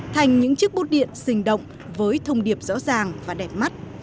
thành những chiếc bút điện sinh động với thông điệp rõ ràng và đẹp mắt